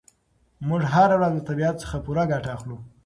موږ هره ورځ له طبیعت څخه پوره ګټه اخلو.